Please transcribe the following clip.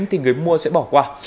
thì người mua sẽ bỏ qua